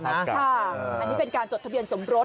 อันนี้เป็นการจดทะเบียนสมรส